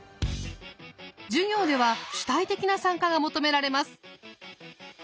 授業では主体的な参加が求められます。